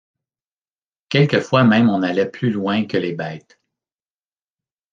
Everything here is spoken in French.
Quelquefois même on allait plus loin que les bêtes.